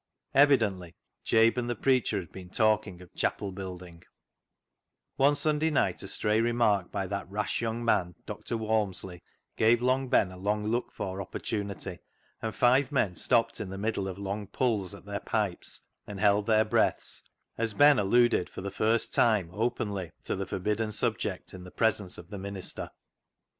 Evidently Jabe and the preacher had been talking of chapel building. 296 CLOG SHOP CHRONICLES One Sunday night a stray remark by that rash young man, Dr. Walmsley, gave Long Ben a long looked for opportunity, and five men stopped in the middle of long pulls at their pipes, and held their breaths, as Ben alluded for the first time openly to the forbidden subject in the presence of the minister.